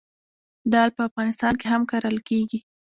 دال په افغانستان کې هم کرل کیږي.